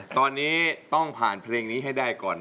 ตอนนี้ต้องผ่านเพลงนี้ให้ได้ก่อน